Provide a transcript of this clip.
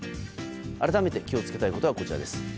改めて気を付けたいことはこちらです。